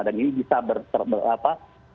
dan ini bisa berterima apa